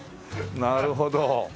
なるほど。